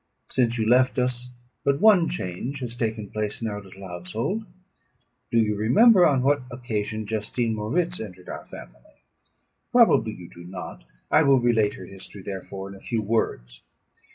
Since you left us, but one change has taken place in our little household. Do you remember on what occasion Justine Moritz entered our family? Probably you do not; I will relate her history, therefore, in a few words.